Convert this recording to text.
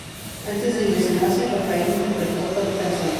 Antes del desenlace, Raphael interpretó cuatro canciones.